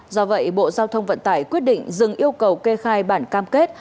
do vậy bộ giao thông vận tải quyết định dừng yêu cầu kê khai bản cam kết